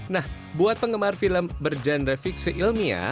nah buat penggemar film berjenre fiksi ilmiah